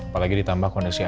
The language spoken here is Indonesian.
apalagi ditambah kondisi alat